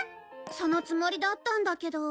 そのつもりだったんだけど。